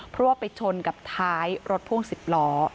เพราะว่าไปชนกับท้ายรถพ่วง๑๐ล้อ